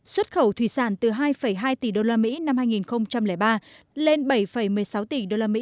xuất khẩu thủy sản từ hai hai tỷ usd năm hai nghìn ba lên bảy một mươi sáu tỷ usd năm hai nghìn ba